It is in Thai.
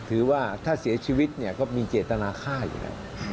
ถือว่าถ้าเสียชีวิตเนี่ยก็มีเจตนาฆ่าอยู่แล้ว